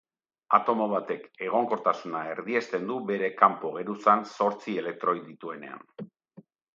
Atomo batek egonkortasuna erdiesten du bere kanpo-geruzan zortzi elektroi dituenean.